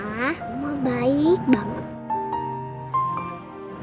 mama baik banget